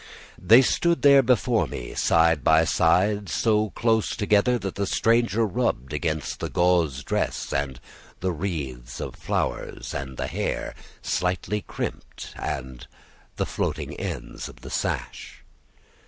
They stood there before me, side by side, so close together, that the stranger rubbed against the gauze dress, and the wreaths of flowers, and the hair, slightly crimped, and the floating ends of the sash.